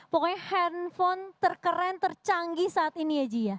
pokoknya handphone terkeren tercanggih saat ini ya ji ya